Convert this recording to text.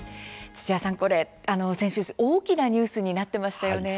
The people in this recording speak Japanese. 土屋さん、これ先週大きなニュースになってましたよね。